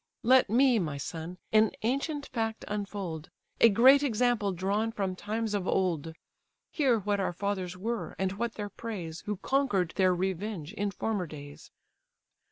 Let me (my son) an ancient fact unfold, A great example drawn from times of old; Hear what our fathers were, and what their praise, Who conquer'd their revenge in former days.